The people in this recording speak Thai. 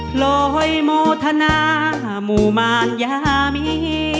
โปรยโมธนามุมาญยามี